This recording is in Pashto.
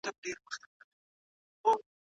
سياستوالو د حکومت په کارونو کي اصالحات راوستل.